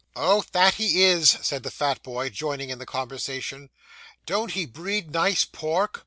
Oh, that he is!' said the fat boy, joining in the conversation; 'don't he breed nice pork!